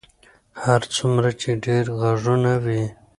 هر څومره چې ډېر غږونه وي.